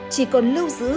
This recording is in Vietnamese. chỉ còn lưu giữ